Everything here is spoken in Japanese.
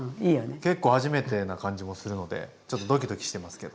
結構初めてな感じもするのでちょっとドキドキしてますけど。